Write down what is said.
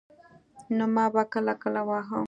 نو ما به کله کله واهه.